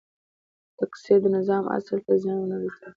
تکثیر د نظام اصل ته زیان ونه رسول.